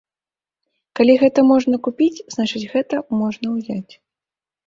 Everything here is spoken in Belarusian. Калі гэта можна купіць, значыць, гэта можна ўзяць.